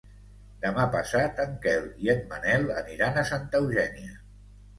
Demà passat en Quel i en Manel aniran a Santa Eugènia.